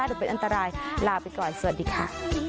หรือเป็นอันตรายลาไปก่อนสวัสดีค่ะ